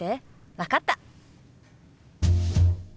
分かった。